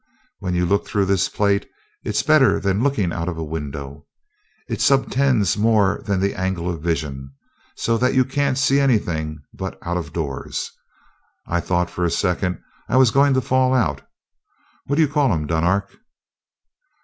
When you look through this plate, it's better than looking out of a window it subtends more than the angle of vision, so that you can't see anything but out of doors I thought for a second I was going to fall out. What do you call 'em, Dunark?"